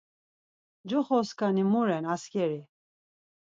Coxoskani mu ren askeri?